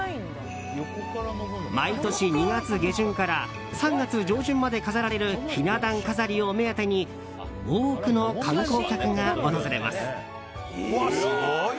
毎年、２月下旬から３月上旬まで飾られるひな壇飾りをお目当てに多くの観光客が訪れます。